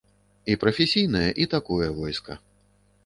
І прафесійнае, і такое войска.